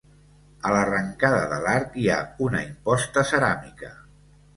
A l'arrencada de l'arc hi ha una imposta ceràmica.